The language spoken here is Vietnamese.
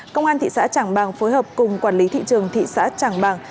công an thị xã trảng bàng phối hợp cùng quản lý thị trường thị xã trảng bàng